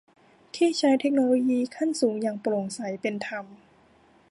ที่ใช้เทคโนโลยีขั้นสูงอย่างโปร่งใสเป็นธรรม